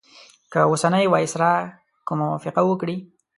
که اوسنی وایسرا کومه موافقه وکړي.